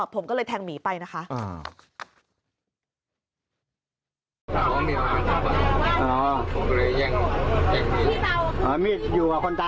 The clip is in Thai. ผมก็เลยแทงหมีไปนะคะ